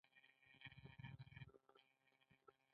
مورغاب سیند د افغانستان د ځمکې د جوړښت نښه ده.